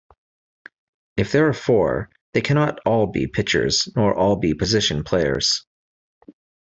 If there are four, they cannot all be pitchers nor all be position players.